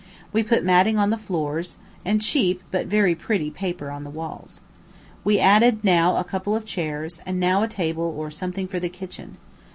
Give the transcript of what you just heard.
We put matting on the floors and cheap but very pretty paper on the walls. We added now a couple of chairs, and now a table or something for the kitchen.